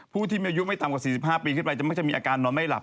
ผู้ที่มีอายุไม่ต่ำกว่า๔๕ปีขึ้นไปจะไม่ใช่มีอาการนอนไม่หลับ